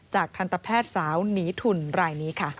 ทันตแพทย์สาวหนีทุนรายนี้ค่ะ